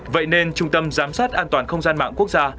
vậy nên trung tâm giám sát an toàn không gian mạng quốc gia